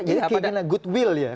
jadi keinginan goodwill ya